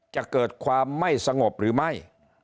จะเกิดความไม่สงบหรือไม่